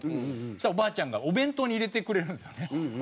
そしたらおばあちゃんがお弁当に入れてくれるんですよね。